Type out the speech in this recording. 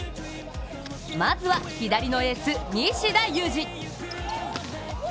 まずは左のエース・西田有志。